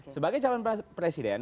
sebagai calon presiden